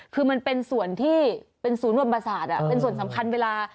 คือมันเป็นส่วนที่เป็นศูนย์รวมประสาทเป็นส่วนสำคัญเวลา